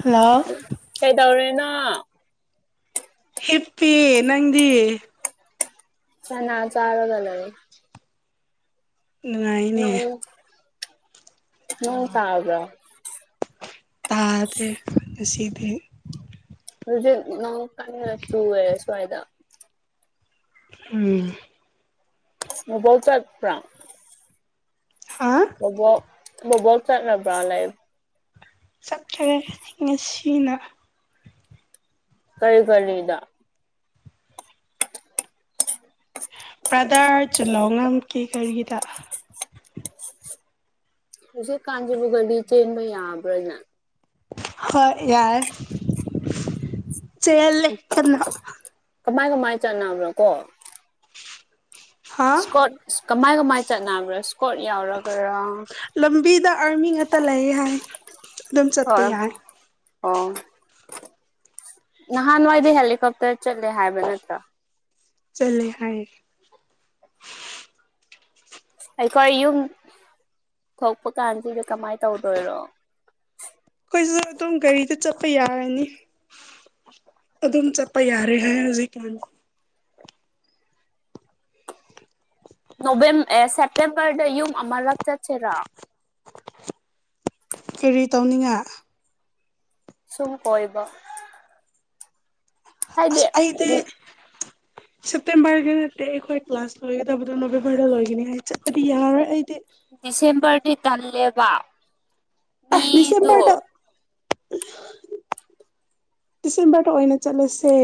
hello ꯀꯩꯗꯧꯔꯤꯅꯣ ꯑꯥ ꯍꯤꯞꯄꯤ ꯅꯪꯗꯤ ꯆꯅ ꯆꯥꯔꯒ ꯂꯩꯌꯦ ꯅꯨꯡꯉꯥꯏꯅꯦ ꯅꯣꯡ ꯇꯥꯕ꯭ꯔꯥ ꯇꯥꯗꯦ ꯉꯁꯤꯗꯤ ꯍꯧꯖꯤꯛ ꯅꯣꯡ ꯀꯟꯅ ꯆꯨꯋꯦ ꯁꯨꯋꯥꯏꯗ ꯎꯝ ꯎꯕꯥꯎ ꯆꯠꯄ꯭ꯔꯥ ꯍꯥ ꯕꯣꯕꯣꯛ ꯕꯣꯕꯣꯛ ꯆꯠꯂꯕ꯭ꯔꯥ ꯂꯩ ꯆꯠꯈ꯭ꯔꯦ ꯉꯁꯤꯅ ꯀꯔꯤ ꯀꯔꯤꯗ ꯄ꯭ꯔꯗꯥꯔ ꯆꯂꯥꯎꯉꯝ ꯀꯤ ꯀꯔꯤꯒꯤꯗ ꯍꯧꯖꯤꯛ ꯀꯥꯟꯁꯤꯕꯨ ꯒꯥꯔꯤ ꯆꯦꯟꯕ ꯌꯥꯕ꯭ꯔꯅꯦ ꯍꯣꯏ ꯌꯥꯔꯦ ꯆꯦꯜꯂꯦ ꯀꯟꯅꯥ ꯀꯃꯥꯏ ꯀꯃꯥꯏ ꯆꯠꯅꯕ꯭ꯔꯣ ꯀꯣ ꯍꯥ ꯁ꯭ꯀꯣꯠ ꯀꯃꯥꯏ ꯀꯃꯥꯏ ꯆꯠꯅꯕ꯭ꯔꯥ ꯀꯣꯠ ꯌꯥꯎꯔꯕ꯭ꯔꯥ ꯂꯝꯕꯤꯗ ꯑꯥꯔꯃꯤ ꯉꯥꯛꯇ ꯂꯩꯌꯦ ꯍꯥꯏ ꯑꯗꯨꯝ ꯆꯠꯄ ꯌꯥꯏ ꯑꯣ ꯅꯍꯥꯟꯋꯥꯏꯗꯤ ꯍꯦꯂꯤꯀꯣꯞꯇꯔ ꯆꯠꯂꯦ ꯍꯥꯏꯕ ꯅꯠꯇ꯭ꯔꯥ ꯆꯠꯂꯦ ꯍꯥꯏꯌꯦ ꯑꯩꯈꯣꯏ ꯌꯨꯝ ꯊꯣꯛꯄ ꯀꯥꯟꯁꯤꯗ ꯀꯃꯥꯏꯅ ꯇꯧꯗꯣꯏꯔꯣ ꯑꯩꯈꯣꯏꯁꯨ ꯑꯗꯨꯝ ꯒꯥꯔꯤꯗ ꯆꯠꯄ ꯌꯥꯔꯅꯤ ꯑꯗꯨꯝ ꯆꯠꯄ ꯌꯥꯔꯦ ꯍꯥꯏꯔ ꯍꯨꯖꯤꯛꯀꯤꯝ ꯅꯣꯕꯦꯝ ꯑꯦ ꯁꯦꯞꯇꯦꯝꯕꯔꯗ ꯌꯨꯝ ꯑꯃꯔꯛ ꯆꯠꯁꯦꯔꯥ ꯀꯔꯤ ꯇꯧꯅꯤꯡꯉꯥ ꯁꯨꯝ ꯀꯣꯏꯕ ꯍꯥꯏꯗꯤ ꯑꯁ ꯗꯤ ꯑꯩꯗꯤ ꯁꯦꯞꯇꯦꯝꯕꯔꯒꯤ ꯅꯠꯇꯦ ꯑꯩꯈꯣꯏ ꯀ꯭ꯂꯥꯁ ꯂꯣꯏꯒꯗꯕꯗꯣ ꯅꯣꯕꯦꯝꯕꯔꯗ ꯂꯣꯏꯒꯅꯤ ꯍꯥꯏ ꯆꯠꯄꯗꯤ ꯌꯥꯔꯣꯏ ꯑꯩ ꯗꯤꯁꯦꯝꯕꯔꯗꯤ ꯇꯜꯂꯦꯕ ꯑ ꯃꯤꯗꯣ ꯗꯤꯁꯦꯝꯕꯔꯗ ꯗꯤꯁꯦꯝꯕꯔꯗ ꯑꯣꯏꯅ ꯆꯠꯂꯁꯦ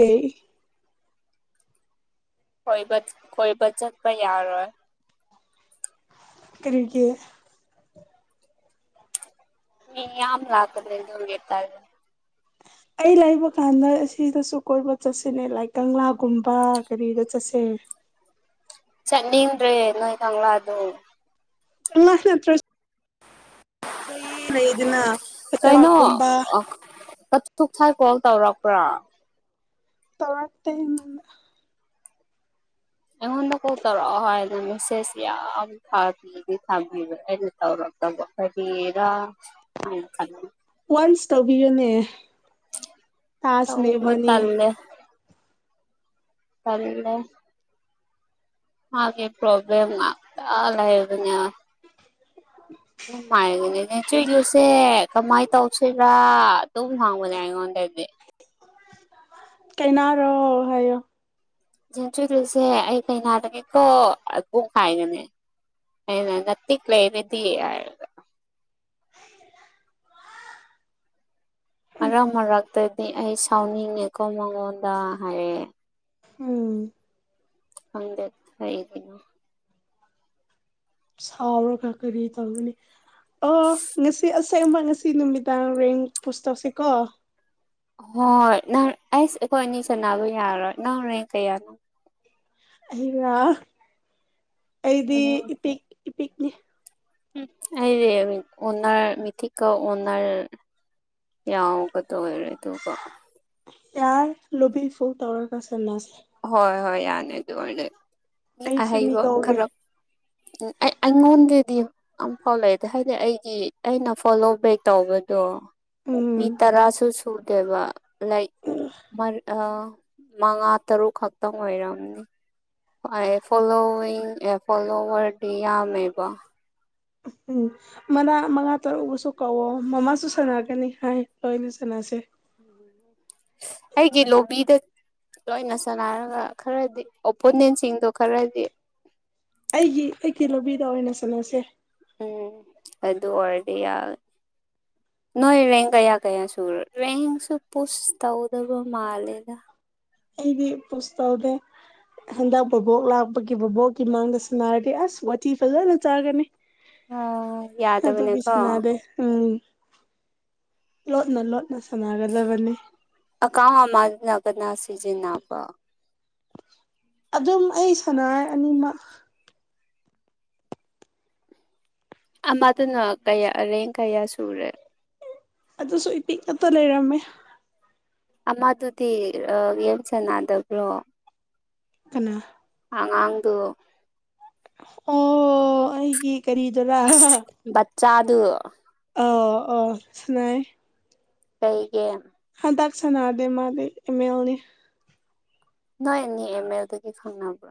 ꯀꯣꯏꯕ ꯆꯠ ꯀꯣꯏꯕ ꯆꯠꯄ ꯌꯥꯔꯣꯏ ꯀꯔꯤꯒꯤ ꯃꯤ ꯌꯥꯝ ꯂꯥꯛꯀꯗ꯭ꯔꯗꯤ ꯈꯪꯗꯦ ꯇꯜꯂꯦ ꯑꯩ ꯂꯩꯕ ꯀꯥꯟꯗ ꯑꯁꯤꯗꯁꯨ ꯀꯣꯏꯕ ꯆꯠꯁꯤꯅꯦ ꯂꯥꯏꯛ ꯀꯪꯂꯥꯒꯨꯝꯕ ꯒꯔꯤꯗ ꯆꯠꯁꯦ [inaudible] ꯆꯠꯅꯤꯡꯗ꯭ꯔꯦ ꯅꯣꯏ ꯀꯪꯂꯥꯗꯨ [unintelligible] ꯂꯩꯌꯦ ꯂꯦꯌꯦꯗꯅꯥ [unintelligible] ꯒꯨꯝꯕ ꯀꯠꯊꯣꯛꯊꯥꯏ ꯀꯣꯜ ꯇꯧꯔꯛꯄ꯭ꯔꯥ ꯇꯧꯔꯛꯇꯦ ꯑꯩꯉꯣꯟꯗ ꯑꯩꯉꯣꯟꯗ ꯀꯣꯜ ꯇꯧꯔꯛꯑꯣ ꯍꯥꯏꯅ ꯃꯦꯁꯦꯖ ꯌꯥꯝ ꯊꯥꯕꯤꯗꯤ ꯊꯥꯕꯤꯕ ꯑꯩꯅ ꯇꯧꯔꯛ [unintelligible] ꯋꯥꯟꯁ ꯇꯧꯕꯤꯌꯣꯅꯦ ꯇꯧꯕ ꯇꯜꯂꯦ ꯇꯜꯂꯦ ꯃꯥꯒꯤ ꯄ꯭ꯔꯣꯕ꯭ꯂꯦꯝ ꯉꯥꯛꯇ ꯂꯩꯕꯅꯦ ꯑꯗꯨꯃꯥꯏꯅꯅꯦ [unintelligible] ꯀꯃꯥꯏ ꯇꯧꯁꯤꯔꯥ ꯑꯗꯨꯝ ꯍꯪꯕꯅꯦ ꯑꯩꯉꯣꯟꯗꯗꯤ ꯀꯅꯥꯔꯣ ꯍꯥꯏꯌꯣ ꯆꯤꯟꯁꯤꯂꯨꯁꯦ ꯑꯩ ꯀꯩꯅꯥꯗꯅꯦꯀꯣ [unintelligible] ꯑꯩꯅ ꯅꯇꯤꯛ ꯂꯩꯔꯗꯤ ꯍꯤꯏꯔꯒ ꯃꯔꯛ ꯃꯔꯛꯇꯗꯤ ꯑꯩ ꯁꯥꯎꯅꯤꯡꯉꯦꯀꯣ ꯃꯥꯉꯣꯟꯗ ꯍꯥꯏꯔꯛꯑꯦ ꯎꯝ ꯈꯪꯗꯦ ꯀꯩꯒꯤꯅꯣ ꯁꯥꯎꯔꯒ ꯀꯔꯤ ꯇꯧꯅꯤ ꯑꯣ ꯉꯁꯤ ꯑꯁꯦꯡꯕ ꯉꯁꯤ ꯅꯨꯃꯤꯗꯥꯡ ꯔꯦꯡ ꯄꯨꯁ ꯇꯧꯁꯤꯀꯣ ꯍꯣꯏ ꯅꯪ ꯑꯩꯁ ꯑꯩꯈꯣꯏ ꯑꯅꯤ ꯁꯥꯟꯅꯕ ꯌꯥꯔꯣꯏ ꯅꯪ ꯔꯦꯡ ꯀꯌꯥꯅꯣ ꯑꯩꯔꯣ ꯑꯩꯗꯤ ꯏꯄꯤꯛ ꯏꯄꯤꯛꯅꯤ ꯎꯝ ꯑꯩꯗꯤ ꯑꯣꯟꯅꯔ ꯃꯤꯊꯤꯛꯀꯦꯜ ꯑꯣꯟꯅꯔ ꯌꯥꯎꯒꯇꯣꯢꯔꯦ ꯑꯗꯨꯒ ꯌꯥꯔꯦ ꯂꯣꯕꯤ ꯐꯨꯜ ꯇꯧꯔꯒ ꯁꯥꯟꯅꯁꯦ ꯍꯣꯏ ꯍꯣꯏ ꯌꯥꯅꯤ ꯑꯗꯨ ꯑꯣꯏꯔꯗꯤ ꯑꯩꯁꯨ ꯃꯤ ꯑꯍꯩꯕ ꯀꯧꯒꯦ ꯈꯔ ꯎ ꯑꯩ ꯑꯩꯉꯣꯟꯗꯗꯤ ꯑꯝꯐꯥꯎ ꯂꯩꯇꯦ ꯍꯥꯏꯗꯤ ꯑꯩ ꯀꯤ ꯑꯩꯅ ꯐꯣꯂꯣ ꯕꯦꯛ ꯇꯧꯕꯗꯣ ꯃꯤ ꯎꯝ ꯇꯔꯥꯁꯨ ꯁꯨꯗꯦꯕ ꯂꯥꯏꯛ ꯋꯥꯟ ꯑ ꯃꯉꯥ ꯇꯔꯨꯛ ꯈꯛꯇꯪ ꯑꯣꯏꯔꯝꯅꯤ ꯑꯥꯢ ꯐꯣꯂꯣꯋꯤꯡ ꯑꯦ ꯐꯣꯂꯣꯋꯔꯗꯤ ꯌꯥꯝꯃꯦꯕ ꯎꯝ ꯃꯅꯥ ꯃꯉꯥ ꯇꯔꯨꯛꯕꯨꯁꯨ ꯀꯧꯋꯣ ꯃꯃꯥꯁꯨ ꯁꯥꯟꯅꯒꯅꯤ ꯍꯥꯏ ꯂꯣꯢꯅ ꯁꯥꯟꯅꯁꯦ ꯑꯩꯒꯤ ꯂꯣꯕꯤꯗꯣ ꯂꯣꯏꯅ ꯁꯥꯟꯅꯔꯒ ꯈꯔꯗꯤ ꯑꯣꯄꯣꯅꯦꯟꯁꯤꯡꯗꯣ ꯈꯔꯗꯤ ꯑꯩꯒꯤ ꯑꯩꯒꯤ ꯂꯣꯕꯤꯗ ꯑꯣꯏꯅ ꯁꯥꯟꯅꯁꯦ ꯎꯝ ꯑꯗꯨ ꯑꯣꯏꯔꯗꯤ ꯌꯥ [inaudible] ꯅꯣꯏ ꯔꯦꯡ ꯀꯌꯥ ꯀꯌꯥ ꯁꯨꯔ ꯔꯦꯡꯁꯨ ꯄꯨꯁ ꯇꯧꯗꯕ ꯃꯥꯜꯂꯦꯗ ꯑꯩꯗꯤ ꯄꯨꯁ ꯇꯧꯗꯦ ꯑꯁ ꯍꯟꯗꯛ ꯕꯨꯕꯣꯛ ꯂꯥꯛꯄꯒꯤ ꯕꯨꯕꯣꯛꯀꯤ ꯃꯥꯡꯗ ꯁꯥꯟꯅꯔꯗꯤ ꯑꯁ ꯋꯥꯇꯤ ꯐꯖꯅ ꯆꯥꯒꯅꯤ ꯑ ꯑꯗꯨꯒꯤ ꯌꯥꯗꯕꯅꯦꯀꯣ ꯁꯥꯟꯅꯗꯦ ꯎꯝ ꯂꯣꯠꯅ ꯂꯣꯠꯅ ꯁꯅꯒꯗꯕꯅꯤ ꯑꯀꯥꯎꯅ ꯑꯃꯅ ꯀꯅꯥ ꯁꯤꯖꯤꯟꯅꯕ ꯑꯗꯨꯝ ꯑꯩ ꯁꯟꯅꯩ ꯑꯅꯤꯃꯛ ꯑꯃꯗꯨꯅ ꯀꯌꯥ ꯔꯦꯡ ꯀꯌꯥ ꯁꯨꯔꯦ ꯑꯗꯨꯁꯨ ꯏꯄꯤꯛꯉꯛꯇ ꯂꯩꯔꯝꯃꯦ ꯑꯃꯗꯨꯗꯤ ꯑꯥ ꯒꯦꯝ ꯁꯅꯗꯕ꯭ꯔꯣ ꯀꯅꯥ ꯑꯉꯥꯡꯗꯨ ꯑꯣ ꯑꯩꯒꯤ ꯀꯔꯤꯗꯨꯔꯥ ꯆꯥꯗꯨ ꯑꯎ ꯑꯣ ꯁꯥꯅꯩꯌꯦ ꯀꯩ ꯒꯦꯝ ꯍꯟꯗꯛ ꯁꯅꯥꯗꯦ ꯃꯥꯗꯤ ꯑꯦꯃ ꯑꯦꯜ ꯅꯤ ꯅꯣꯏ ꯑꯅꯤ ꯑꯦꯝ ꯑꯦꯜꯗꯒꯤ ꯈꯪꯅꯕ꯭ꯔꯣ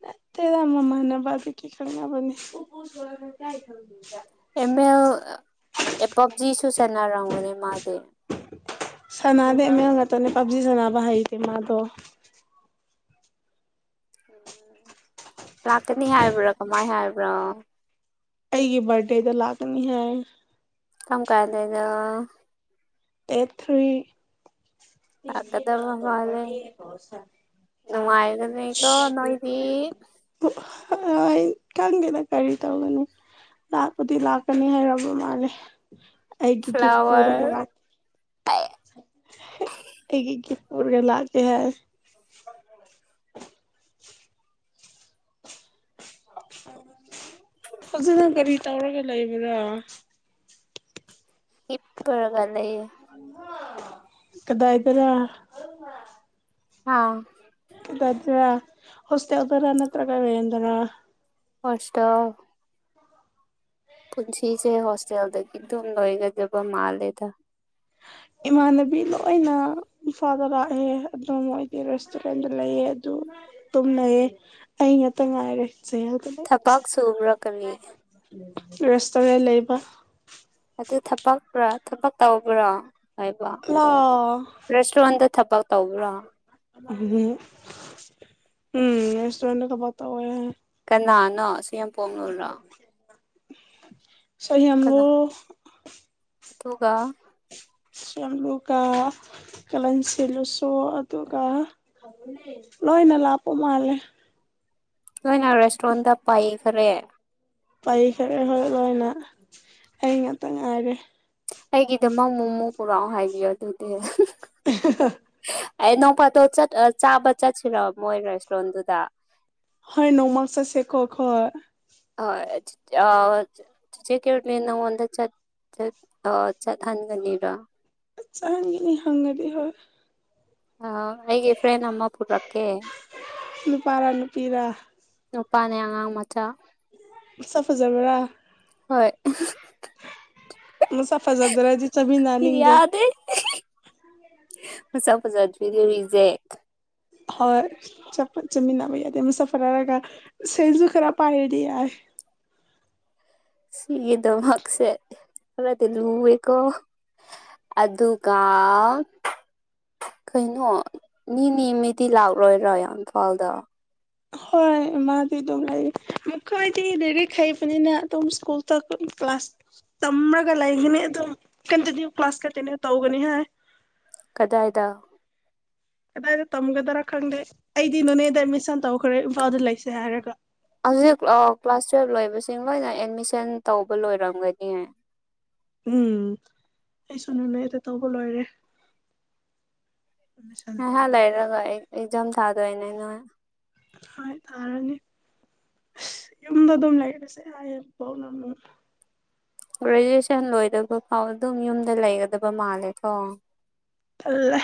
ꯅꯠꯇꯦꯗ ꯃꯃꯥꯟꯅꯕꯗꯒꯤ ꯈꯪꯅꯕꯅꯤ ꯑꯦꯝ ꯑꯦꯜ ꯑꯥ ꯄꯞꯖꯤꯁꯨ ꯁꯥꯟꯅꯔꯝꯒꯅꯤ ꯃꯥꯗꯤ ꯁꯅꯥꯗꯦ ꯑꯦꯝ ꯑꯦꯜ ꯉꯥꯛꯇꯅꯦ ꯄꯞꯖꯤ ꯁꯅꯕ ꯍꯩꯇꯦ ꯃꯥꯗꯣ ꯂꯥꯛꯀꯅꯤ ꯍꯥꯏꯕ꯭ꯔꯥ ꯀꯃꯥꯏ ꯍꯥꯏꯕ꯭ꯔꯣ ꯑꯩꯒꯤ ꯕꯥꯔꯗꯦꯗ ꯂꯥꯛꯀꯅꯤ ꯍꯥꯏ ꯀꯝ ꯀꯥꯟꯗꯅꯣ ꯗꯦꯠ ꯊ꯭ꯔꯤ ꯂꯥꯛꯀꯗꯕ ꯃꯥꯜꯂꯦ ꯅꯨꯡꯉꯥꯏꯒꯅꯤꯀꯣ ꯅꯣꯏꯗꯤ ꯍꯣꯢ ꯈꯪꯗꯦꯅ ꯀꯔꯤ ꯇꯧꯗꯣꯢꯅꯣ ꯂꯥꯛꯄꯗꯤ ꯂꯥꯛꯀꯅꯤ ꯍꯥꯏꯔꯕ ꯃꯥꯜꯂꯦ ꯑꯩꯒꯤ ꯒꯤꯐ ꯄꯨꯔꯒ ꯐ꯭ꯂꯥꯋꯔ ꯂꯥꯛ ꯑꯩꯒꯤ ꯒꯤꯐ ꯄꯨꯔꯒ ꯂꯥꯛꯀꯦ ꯍꯥꯏ ꯍꯧꯖꯤꯛ ꯅꯪ ꯀꯔꯤ ꯇꯧꯔꯒ ꯂꯩꯕ꯭ꯔꯥ ꯍꯤꯄꯒ ꯂꯩꯌꯦ ꯀꯗꯥꯏꯗꯔꯥ ꯍꯥ ꯗꯗ ꯍꯣꯁꯇꯦꯜꯗꯔ ꯅꯠꯇ꯭ꯔꯒ ꯔꯦꯟꯗꯔ ꯍꯣꯁꯇꯦꯜ ꯄꯨꯟꯁꯤꯁꯦ ꯍꯣꯁꯇꯦꯜꯗꯒꯤ ꯑꯗꯨꯝ ꯂꯣꯏꯒꯗꯕ ꯃꯥꯜꯂꯦꯗ ꯏꯃꯥꯟꯅꯕꯤ ꯂꯣꯏꯅ ꯏꯝꯐꯥꯜꯗ ꯂꯥꯛꯑꯦ ꯑꯗꯨ ꯃꯣꯏꯗꯤ ꯔꯦꯁꯇꯨꯔꯦꯟꯗ ꯂꯩꯌꯦ ꯑꯗꯨ ꯇꯨꯝꯅꯩꯌꯦ ꯑꯩ ꯉꯥꯛꯇ ꯉꯥꯏꯔꯦ ꯖꯦꯜꯗ ꯊꯕꯥꯛ ꯂꯩꯕꯁꯦ ꯁꯨꯕ꯭ꯔꯥ ꯀꯔꯤ ꯔꯦꯁꯇꯨꯔꯦꯟ ꯂꯩꯕ ꯑꯗꯨ ꯊꯕꯛꯔꯥ ꯊꯕꯛ ꯇꯧꯕ꯭ꯔꯥ ꯍꯥꯏꯕ ꯂꯥ ꯔꯦꯁꯇꯨꯔꯦꯟꯗ ꯊꯕꯛ ꯇꯧꯕ꯭ꯔꯥ ꯑꯗꯨꯗꯤ ꯎꯝ ꯔꯦꯁꯇꯨꯔꯦꯟꯠꯇꯥ ꯊꯕꯛ ꯇꯧꯋꯦ ꯅ ꯅ ꯁꯤ ꯌꯦꯝ ꯄꯣꯝꯅꯔꯣ ꯁꯤ ꯌꯥꯝꯕꯨ ꯑꯗꯨꯒ ꯆꯤ ꯌꯦꯝ ꯂꯨꯀꯥ ꯀꯂꯟ ꯁꯤꯜꯂꯨꯁꯨ ꯑꯗꯨꯒ ꯂꯣꯏꯅ ꯂꯥꯛꯄ ꯃꯥꯂꯦ ꯂꯣꯏꯅ ꯔꯦꯁꯇꯨꯔꯦꯟꯗ ꯄꯩꯒꯔꯦ ꯄꯥꯏꯈꯔꯦ ꯍꯣꯢ ꯂꯣꯏꯅ ꯑꯩ ꯉꯥꯛꯇ ꯉꯥꯏꯔꯦ ꯑꯩꯒꯤꯗꯃꯛ ꯃꯣꯃꯣ ꯄꯨꯔꯛꯑꯣ ꯍꯥꯏꯕꯤꯌꯣ ꯑꯗꯨꯗꯤ ꯑꯍꯦꯍꯥ ꯑꯦ ꯅꯣꯡꯄꯥꯇꯣ ꯆꯠ ꯆꯥꯕ ꯆꯠꯁꯤꯔ ꯃꯣꯏ ꯔꯦꯁꯇꯨꯔꯦꯟꯗꯨꯗ ꯍꯣꯏ ꯅꯣꯡꯃꯥ ꯆꯠꯁꯤꯀꯣ ꯑꯈꯣꯏ ꯍꯣꯢ ꯆꯤꯆꯦ ꯀꯦꯃꯤ ꯅꯪꯉꯣꯟꯗ ꯆꯠ ꯆꯠ ꯑ ꯆꯠꯍꯟꯒꯅꯤꯗ ꯆꯠꯍꯟꯒꯅꯤ ꯍꯪꯒꯗꯤ ꯍꯣꯏ ꯑ ꯑꯩꯒꯤ ꯐ꯭ꯔꯦꯟ ꯑꯃ ꯄꯨꯔꯛꯀꯦ ꯅꯨꯄꯥꯔꯥ ꯅꯨꯄꯤꯔꯥ ꯅꯨꯄꯥꯅꯦ ꯑꯉꯥꯡ ꯃꯆꯥ ꯃꯁꯛ ꯐꯖꯕ꯭ꯔꯥ ꯍꯣꯏ ꯃꯁꯛ ꯐꯖꯗ꯭ꯔꯗꯤ ꯆꯠꯃꯤꯟꯅꯅꯤꯡꯗꯦ ꯌꯥꯗꯦ ꯃꯁꯛ ꯐꯖꯗ꯭ꯔꯗꯤ ꯔꯤꯖꯦꯛ ꯍꯣꯏ ꯑꯆꯄꯠ ꯆꯃꯤꯟꯅꯕ ꯌꯥꯗꯦ ꯃꯁꯛ ꯐꯖꯔꯒ ꯁꯦꯜꯁꯨ ꯈꯔ ꯄꯥꯢꯔꯗꯤ ꯌꯥꯢ [inaudible] ꯁꯤꯒꯤꯗꯣ ꯃꯛꯁꯦ ꯈꯔꯗꯤ ꯂꯨꯋꯦꯀꯣ ꯑꯗꯨꯒ ꯀꯩꯅꯣ ꯅꯤꯃꯤ ꯃꯤꯗꯤ ꯂꯥꯛꯔꯣꯏꯗ꯭ꯔꯣ ꯏꯝꯐꯥꯜꯗ ꯍꯣꯏ ꯃꯥꯗꯤ ꯑꯗꯨꯝ ꯂꯩꯔꯤ ꯃꯈꯣꯏꯗꯤ ꯂꯩꯔꯤꯛ ꯍꯩꯕꯅꯤꯅ ꯑꯗꯨꯝ ꯁ꯭ꯀꯨꯜ ꯆꯠꯄ ꯀ꯭ꯂꯥꯁ ꯇꯝꯔꯒ ꯂꯩꯒꯅꯤ ꯑꯗꯨꯝ ꯀꯟꯇꯤꯅ꯭ꯌꯨ ꯀ꯭ꯂꯥꯁ ꯈꯛꯇꯅꯦ ꯇꯧꯒꯅꯤ ꯍꯥꯏ ꯀꯗꯥꯏꯗ ꯀꯗꯥꯏꯗ ꯇꯝꯒꯗ꯭ꯔꯥ ꯈꯪꯗꯦ ꯑꯩꯗꯤ ꯅꯣꯅꯦꯗ ꯑꯦꯗꯃꯤꯁꯟ ꯇꯧꯈ꯭ꯔꯦ ꯏꯝꯐꯥꯜꯗ ꯂꯩꯁꯦ ꯍꯥꯏꯔꯒ ꯍꯧꯖꯤꯛ ꯀ꯭ꯂꯥꯁ ꯇꯨꯋꯦꯜꯕ ꯂꯣꯏꯕꯁꯤꯡ ꯂꯣꯏꯅ ꯑꯦꯗꯃꯤꯁꯟ ꯇꯧꯕ ꯂꯣꯏꯔꯝꯒꯅꯤ ꯎꯝ ꯑꯩꯁꯨ ꯅꯨꯅꯦꯗ ꯇꯧꯕ ꯂꯣꯏꯔꯦ ꯑꯦꯠꯃꯤꯁꯟꯗꯣ ꯉꯥꯢꯍꯥꯛ ꯂꯩꯔꯒ ꯑꯩ ꯑꯦꯛꯖꯥꯝ ꯊꯥꯗꯣꯢꯅꯦ ꯅꯣꯢ ꯍꯣꯢ ꯊꯥꯔꯅꯤ ꯑꯁ ꯌꯨꯝꯗ ꯑꯗꯨꯝ ꯂꯩꯥꯏꯔꯁꯦ [unintelligible] ꯒ꯭ꯔꯦꯖꯨꯑꯦꯁꯟ ꯂꯣꯏꯗꯕ ꯐꯥꯎ ꯑꯗꯨꯝ ꯌꯨꯝꯗ ꯂꯩꯒꯗꯕ ꯃꯥꯜꯂꯦꯀꯣ ꯇꯜꯂꯦ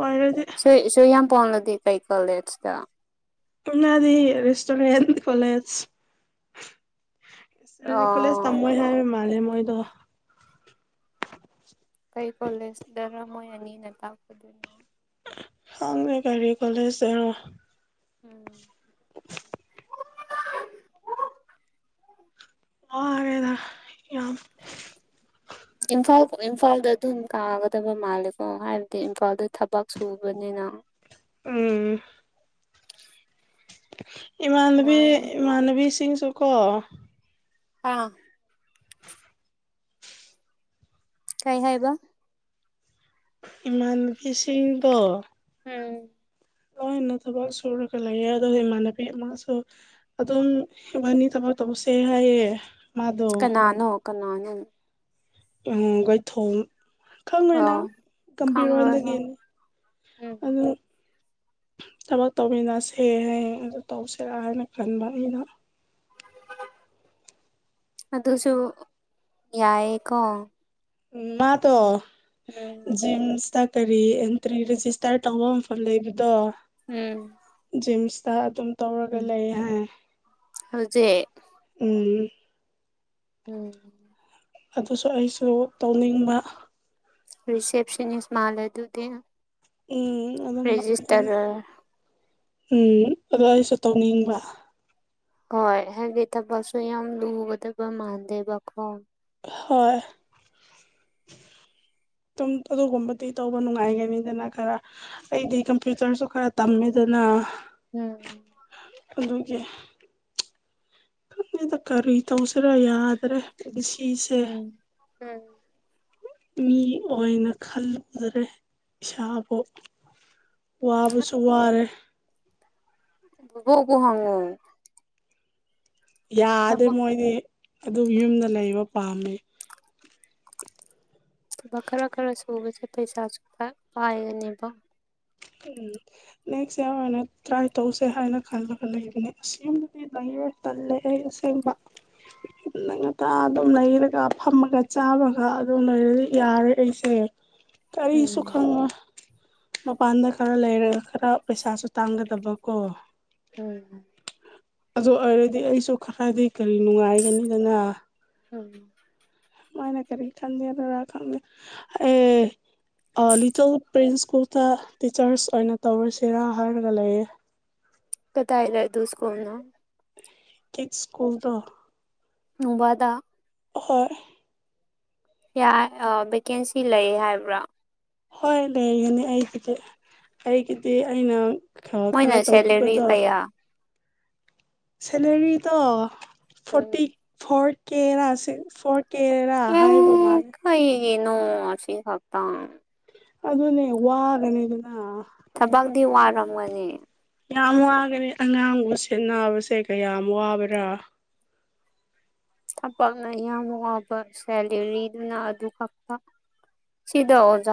ꯑꯣꯏꯔꯗꯤ ꯁꯣꯏ ꯁꯣꯏ ꯌꯥꯝ ꯄꯣꯂꯗꯤ ꯀꯩ ꯀꯣꯂꯦꯖꯇ [unintelligible] ꯔꯦꯁꯇꯣꯔꯦꯟ ꯀꯣꯂꯦꯖ ꯑ ꯀꯣꯂꯦꯖ ꯇꯝꯃꯣꯢ ꯍꯥꯢꯕ ꯃꯥꯜꯂꯦ ꯃꯣꯏꯗꯣ ꯀꯩ ꯀꯣꯂꯦꯖ ꯗꯔ ꯃꯣꯏ ꯑꯅꯤꯅ ꯇꯝꯄꯗꯨꯅ ꯈꯪꯗꯦ ꯀꯔꯤ ꯀꯣꯂꯦꯖꯔꯥ ꯎꯝ [inaudible] [inaudible] ꯋꯥꯔꯦꯗ ꯌꯥꯝ ꯏꯝꯐꯥꯜ ꯏꯝꯐꯥꯜꯗ ꯑꯗꯨꯝ ꯀꯥꯒꯗꯕ ꯃꯥꯜꯂꯦꯀꯣ ꯍꯥꯏꯕꯗꯤ ꯏꯝꯐꯥꯜꯗ ꯊꯕꯛ ꯁꯨꯕꯅꯤ ꯅ ꯎꯝ ꯏꯃꯥꯟꯅꯕꯤ ꯅꯨꯡꯉꯥꯏ ꯏꯃꯥꯟꯅꯕꯤꯁꯤꯡꯁꯨꯀꯣ ꯑꯥ ꯀꯩ ꯍꯥꯏꯕ ꯏꯃꯥꯟꯅꯕꯤꯁꯤꯡꯗꯣ ꯎꯝ ꯂꯣꯢꯅ ꯊꯕꯛ ꯁꯨꯔꯒ ꯂꯩꯑꯦ ꯑꯗꯣ ꯏꯃꯥꯟꯅꯕꯤ ꯑꯃꯁꯨ ꯑꯗꯨꯝ ꯏꯕꯥꯅꯤ ꯊꯕꯛ ꯇꯧꯁꯦ ꯍꯥꯏꯌꯦ ꯃꯥꯗꯣ ꯀꯅꯥꯅꯣ ꯀꯅꯥꯅꯣ ꯑꯝ ꯒꯣꯢꯊꯣꯡ ꯈꯪꯉꯣꯢ ꯑꯣ ꯅꯪ ꯈꯪꯔꯣꯏ ꯍꯣꯏ ꯀꯝꯕꯤꯔꯣꯟꯗꯒꯤꯅꯤ ꯎꯝ ꯑꯗꯨ ꯊꯕꯛ ꯇꯧꯃꯤꯟꯅꯁꯦ ꯍꯥꯢꯌꯦ ꯑꯗꯨ ꯇꯧꯁꯤꯔꯥ ꯍꯥꯏꯅ ꯈꯟꯕ ꯑꯩꯅ ꯑꯗꯨꯁꯨ ꯌꯥꯏꯌꯦꯀꯣ ꯎ ꯃꯥ ꯇꯣ ꯎꯝ ꯖꯤꯝ ꯁꯇꯛ ꯀꯔꯤ ꯑꯦꯟꯇ꯭ꯔꯤ ꯔꯦꯖꯤꯁꯇꯔ ꯇꯧꯕ ꯃꯐꯝ ꯂꯩꯕꯗꯣ ꯎꯝ ꯇ ꯑꯗꯨꯝ ꯇꯧꯔꯒ ꯎꯝ ꯂꯩ ꯍꯥꯏ ꯍꯧꯖꯤꯛ ꯎꯝ ꯎꯝ ꯑꯗꯨꯁꯨ ꯑꯩꯁꯨ ꯇꯧꯅꯤꯡꯕ ꯔꯤꯁꯦꯞꯁꯅꯤꯟꯁ ꯃꯥꯜꯂꯦ ꯑꯗꯨꯗꯤ ꯎꯝ ꯑꯗꯨꯝ ꯑꯗꯨꯅꯤ ꯔꯦꯖꯤꯁꯇꯔ ꯎꯝ ꯑꯗꯣ ꯑꯩꯁꯨ ꯇꯧꯅꯤꯡꯕ ꯍꯣꯏ ꯍꯥꯢꯕꯗꯤ ꯊꯕꯛꯁꯨ ꯌꯥꯝ ꯂꯨꯒꯗꯕ ꯃꯗꯦꯕ ꯀꯣ ꯍꯣꯏ ꯇꯨꯝ ꯑꯗꯨꯒꯨꯝꯕꯗꯤ ꯇꯧꯕ ꯅꯨꯡꯉꯥꯏꯒꯅꯤꯗꯅ ꯈꯔ ꯑꯩꯗꯤ ꯀꯝꯄ꯭ꯌꯨꯇꯔꯁꯨ ꯈꯔ ꯇꯝꯃꯦ ꯑꯗꯨ ꯅꯥ ꯎꯝ ꯑꯗꯨꯒꯤ ꯈꯪꯗꯦꯗ ꯀꯔꯤ ꯇꯧꯁꯤꯔꯥ ꯌꯥꯗ꯭ꯔꯦ ꯑꯩꯒꯤ ꯁꯤꯁꯦ ꯎꯝ ꯎꯝ ꯃꯤ ꯑꯣꯏꯅ ꯈꯜꯂꯨꯗꯔꯦ ꯏꯁꯥꯕꯨ ꯋꯥꯕꯁꯨ ꯋꯥꯔꯦ ꯕꯣꯕꯣꯛ ꯎꯄꯨ ꯍꯥꯡꯉꯣ ꯌꯥꯗꯦ ꯃꯣꯏꯗꯤ ꯑꯗꯨꯝ ꯌꯨꯝꯗ ꯂꯩꯕ ꯄꯥꯝꯃꯤ ꯑꯗꯨꯒ ꯈꯔ ꯈꯔ ꯁꯨꯕꯁꯦ ꯄꯩꯁꯥꯁꯨ ꯄꯥꯏꯒꯅꯦꯕ ꯎꯝ ꯅꯦꯛꯁ ꯏꯌꯥꯔ ꯑꯣꯏꯅ ꯇ꯭ꯔꯥꯏ ꯇꯧꯁꯦ ꯍꯥꯏꯅ ꯈꯜꯂꯒ ꯂꯩꯕꯅꯦ ꯑꯁꯤꯒꯨꯝꯕꯗꯤ ꯂ ꯇꯜꯂꯦꯍꯧ ꯑꯁꯧꯡꯕ ꯅꯪ ꯉꯇꯥ ꯑꯗꯨꯝ ꯅꯔꯒ ꯐꯝꯃꯒ ꯆꯥꯕꯒ ꯑꯗꯨꯝ ꯂꯩꯔꯗꯤ ꯌꯥꯔꯦ ꯑꯩꯁꯦ ꯀꯔꯤꯁꯨ ꯎꯝ ꯈꯪꯉꯣꯏ ꯃꯄꯥꯟꯗ ꯈꯔ ꯂꯩꯔꯒ ꯈꯔ ꯄꯩꯁꯥꯁꯨ ꯇꯥꯡꯒꯗꯕ ꯀꯣ ꯍꯣꯏ ꯑꯗꯨ ꯑꯣꯏꯔꯗꯤ ꯑꯩꯁꯨ ꯈꯔꯗꯤ ꯀꯔꯤ ꯅꯨꯡꯉꯥꯏꯒꯅꯤꯗꯅ ꯎꯝ ꯃꯥꯏꯅ ꯀꯔꯤ ꯈꯪꯗꯦꯗꯔꯥ ꯈꯪꯗꯦ ꯑꯦ ꯑꯥ ꯂꯤꯇꯜ ꯄ꯭ꯔꯤꯟ ꯁ꯭ꯀꯨꯜꯗ ꯇꯤꯆꯔꯁ ꯑꯣꯏꯅ ꯇꯧꯔꯁꯤꯔꯥ ꯍꯥꯏꯔꯒ ꯂꯩꯌꯦ ꯀꯇꯥꯏꯗ ꯑꯗꯨ ꯁꯀꯨꯜꯅꯣ ꯀꯤꯠꯁ ꯁ꯭ꯀꯨꯜ ꯇꯣ ꯅꯨꯡꯕꯥꯗ ꯑꯍꯣꯏ ꯌꯥꯏ ꯑꯥ ꯚꯦꯀꯦꯟꯁꯤ ꯂꯩ ꯍꯥꯏꯕ꯭ꯔꯥ ꯍꯣꯏ ꯂꯩꯒꯅꯤ ꯑꯩꯒꯤꯗꯤ ꯑꯩꯒꯤꯗꯤ ꯑꯩꯅ ꯈꯥ ꯈꯔ ꯃꯣꯏꯅ ꯇꯧꯀꯤ ꯁꯦꯂꯔꯤ ꯄꯠꯇꯣ ꯀꯌꯥ ꯁꯦꯂꯔꯤ ꯇꯣ ꯎꯝ ꯐꯣꯔꯇꯤ ꯐꯣꯔ ꯀꯦ ꯐꯣꯔ ꯀꯦꯔꯥ ꯍꯥꯏꯕ ꯃꯂꯦ ꯌꯦꯅꯣ ꯑꯁꯤ ꯈꯛꯇ ꯑꯗꯨꯅꯦ ꯋꯥꯒꯅꯤꯗꯅ ꯑꯗꯨ ꯊꯕꯛꯗꯤ ꯈꯛꯇꯗꯤ ꯋꯥꯔꯝꯒꯅꯤ ꯌꯥꯝ ꯋꯥꯒꯅꯤ ꯑꯉꯥꯡꯕꯨ ꯁꯦꯟꯅꯕꯁꯦ ꯀꯌꯥꯝ ꯋꯥꯕ꯭ꯔꯥ ꯊꯄꯥꯛꯅ ꯌꯥꯝ ꯋꯥꯕ ꯁꯦꯂꯔꯤꯗꯨꯅ ꯑꯗꯨ ꯈꯛꯇ ꯁꯤꯗ ꯑꯣꯖ